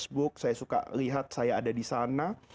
kemudian saya mendengar ucapan saya suka lihat saya ada di sana